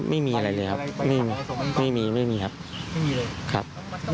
ไม่มีอะไรเลยครับไม่มีครับ